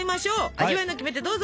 味わいのキメテどうぞ。